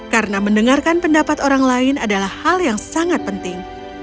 karena mendengarkan pendapat orang lain adalah hal yang sangat penting